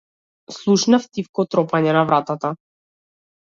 Слушнав тивко тропање на вратата.